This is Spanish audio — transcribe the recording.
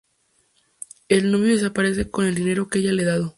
El novio desaparece con el dinero que ella le ha dado.